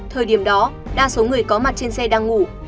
thời điểm đó đa số người có mặt trên xe đang ngủ